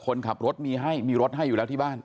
คนขับรถมีให้มีรถให้อยู่แล้วที่บ้าน